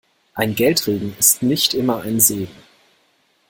Ein Geldregen ist nicht immer ein Segen.